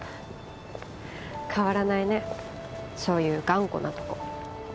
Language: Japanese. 変わらないねそういう頑固なとこ。